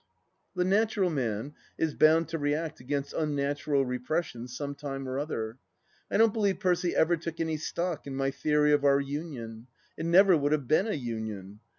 THE LAST DITCH 281 The natural man is bound to react against unnatural re pressions some time or other. I don't believe Percy ever took any stock in my theory of our union. It never would have been a union.